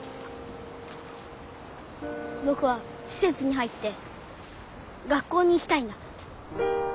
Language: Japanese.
僕は施設に入って学校に行きたいんだ。